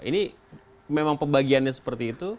ini memang pembagiannya seperti itu